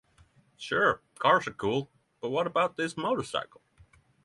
Sure, cars are cool, but what about this motorcycle?